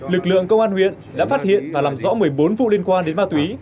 lực lượng công an huyện đã phát hiện và làm rõ một mươi bốn vụ liên quan đến ma túy